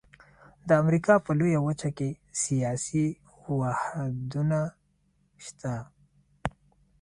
د امریکا په لویه وچه کې سیاسي واحدونه شته.